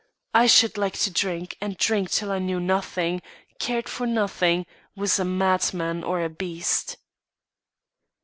I should like to drink and drink till I knew nothing, cared for nothing, was a madman or a beast."